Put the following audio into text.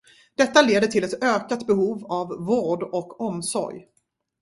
Detta leder till ett ökat behov av vård och omsorg.